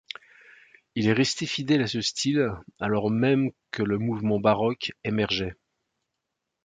Il est resté fidèle à ce style alors même que le mouvement baroque émergeait.